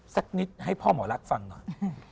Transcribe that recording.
สักนิดให้พ่อหมอรักฟังหน่อย